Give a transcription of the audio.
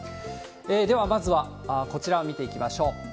では、まずはこちらを見ていきましょう。